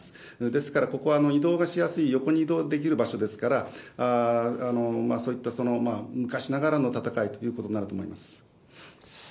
ですからここは移動がしやすい、横に移動ができる場所ですから、そういった昔ながらの戦いっていうことになると思います。